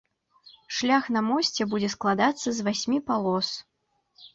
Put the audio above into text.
Шлях на мосце будзе складацца з васьмі палос.